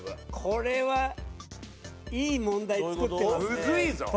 これはいい問題作ってますね。